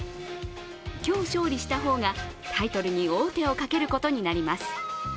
今日勝利した方がタイトルに王手をかけることになります。